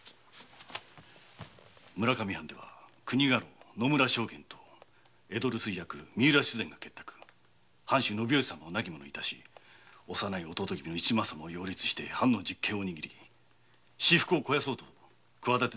村上藩国家老・野村将監と江戸留守居役・三浦主膳が結託藩主・信良様を亡き者に致し幼い弟君の市松様を擁立して藩の実権を握り私服を肥やそうと企てている様子にございます。